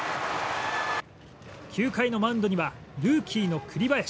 ９回のマウンドにはルーキーの栗林。